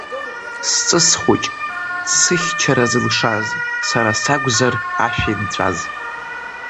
Сҵыс хәыҷ сыхьчара зылшаз, сара сакәзар ашәа инҵәаз.